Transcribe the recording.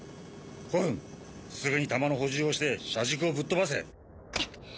コルンすぐに弾の補充をして車軸をぶっ飛ばせ。